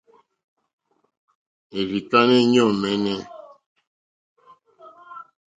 Èrzì kánɛ́ íɲɔ̂ mɛ́nɛ́.